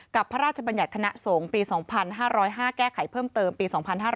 พระราชบัญญัติคณะสงฆ์ปี๒๕๐๕แก้ไขเพิ่มเติมปี๒๕๕๙